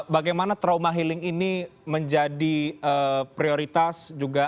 bagaimana trauma healing ini menjadi prioritas juga